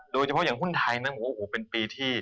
โดยเฉพาะอย่างหุ้นไทยนั้นบอกว่าโอ้โหเป็นปีที่